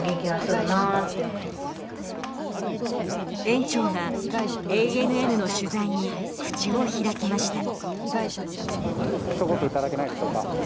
園長がＡＮＮの取材に口を開きました。